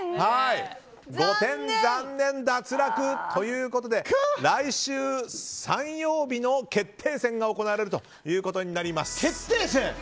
残念、脱落！ということで来週、３曜日の決定戦が行われるということになります。